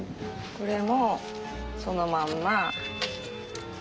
これもそのまんま。